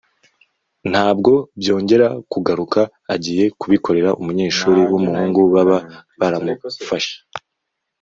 nabwo byongera kugaruka agiye kubikorera umunyeshuri w’umuhungu baba baramufashe